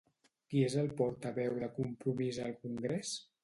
Qui és el portaveu de Compromís al congrés?